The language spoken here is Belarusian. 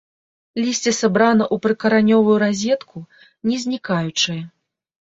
Лісце сабрана ў прыкаранёвую разетку, не знікаючае.